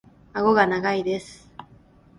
顎が長いです。